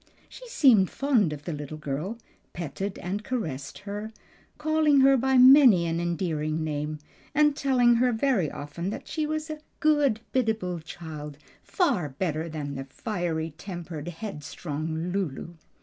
She seemed fond of the little girl, petted and caressed her, calling her by many an endearing name, and telling her very often that she was "a good, biddable child; far better than fiery tempered, headstrong Lulu."